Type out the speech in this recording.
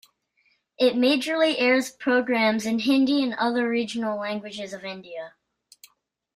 It majorly airs programmes in Hindi and other regional languages of India.